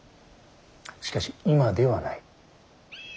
しかし今ではない。